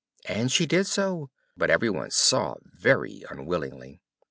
And she did so, but as everyone saw, very unwillingly.